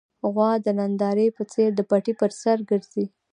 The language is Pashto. غوا د نندارې په څېر د پټي پر سر ګرځي.